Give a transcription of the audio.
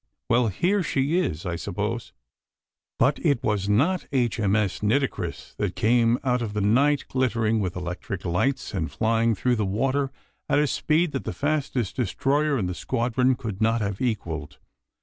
Well, here she is, I suppose." But it was not H.M.S. Nitocris that came out of the night glittering with electric lights and flying through the water at a speed that the fastest destroyer in the squadron could not have equalled.